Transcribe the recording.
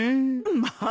まあ。